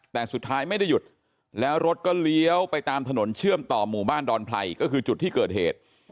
แต่สุดท้ายไม่ได้หยุดแล้วรถก็เลี้ยวไปตามถนนเชื่อมต่อหมู่บ้านดอนไพรก็คือจุดที่เกิดเหตุ